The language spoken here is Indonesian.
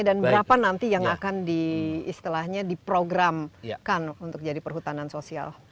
berapa nanti yang akan diistilahnya diprogramkan untuk jadi perhutanan sosial